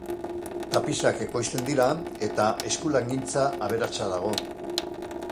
Tapizak ekoizten dira, eta eskulangintza aberatsa dago.